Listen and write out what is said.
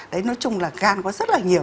đấy nói chung là gan có rất là nhiều